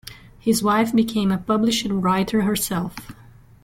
His wife became a published writer herself.